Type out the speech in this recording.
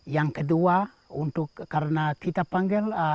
yang kedua untuk karena kita panggil